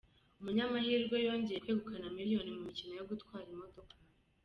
Umunyamahirwe yongeye kwegukana miliyoni mu mikino yogutwara Imodoka